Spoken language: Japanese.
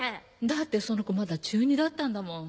だってその子まだ中２だったんだもん。